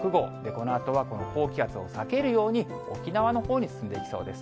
このあとはこの高気圧を避けるように、沖縄のほうへと進んでいきそうです。